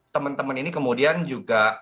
teman teman ini kemudian juga